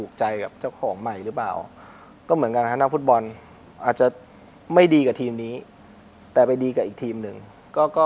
เพราะเหมือนไปซื้อรถค่ะ